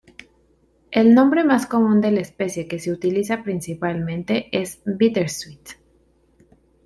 El nombre más común de la especie que se utiliza principalmente es Bittersweet.